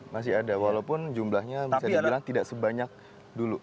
masih ada walaupun jumlahnya bisa dibilang tidak sebanyak dulu